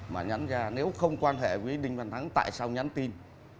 mà nhắn ra nếu không quan hệ với đinh văn thắng tại sao nhắn tin